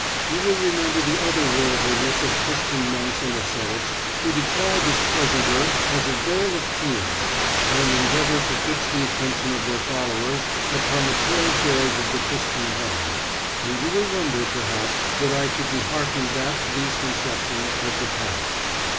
You will remember the other worldliness of Christian monks and ascetics who decried this pleasant earth as a vale of tears, and endeavored to fix the attention of their followers upon the pale joys of the Christian heaven, and you will wonder, perhaps, that I should be harking back to these conceptions of the past.